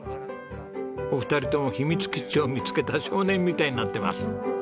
お二人とも秘密基地を見つけた少年みたいになってます。